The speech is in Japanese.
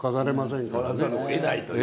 触らざるをえないという。